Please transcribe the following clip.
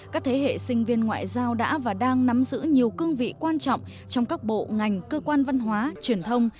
các thế hệ sinh viên ngoại giao đã và đang nắm giữ nhiều cương vị quan trọng trong các bộ ngành cơ quan văn hóa truyền thông